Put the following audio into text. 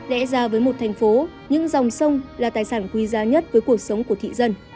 lẽ ra với một thành phố những dòng sông là tài sản quý giá nhất với cuộc sống của thị dân